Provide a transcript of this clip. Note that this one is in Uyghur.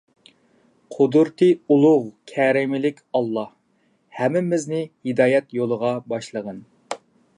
قۇدرىتى ئۇلۇغ كەرەملىك ئاللاھ، ھەممىمىزنى ھىدايەت يولىغا باشلىغىن!